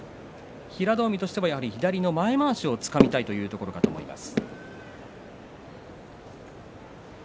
平戸海としては、やはり左の前まわしをつかみたいというところだと思います。